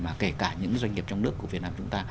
mà kể cả những doanh nghiệp trong nước của việt nam chúng ta